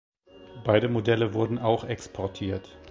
Beide Modelle wurden auch exportiert.